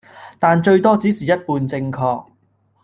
但最多只是一半正確